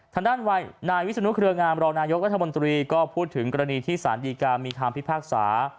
ทนายวิศนุเครืองามรองนายกรัฐมนตรีก็พูดถึงกรณีที่สารดีกามีคำพิพากษา